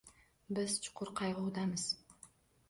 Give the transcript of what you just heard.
Biz chuqur qayg’udamiz.